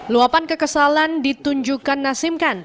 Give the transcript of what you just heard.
luapan kekesalan ditunjukkan nasim khan